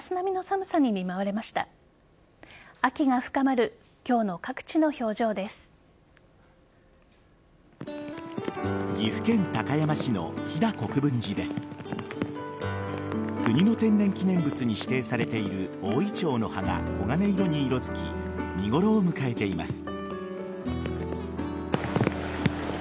国の天然記念物に指定されている大イチョウの葉が黄金色に色づき見ごろを迎えています。